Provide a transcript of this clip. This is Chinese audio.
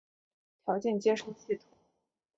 条件接收系统。